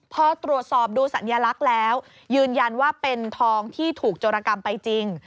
พอตรวจสอบดูสัญลักษณ์แล้วยืนยันว่าเป็นทองที่ถูกโจรกรรมไปจริง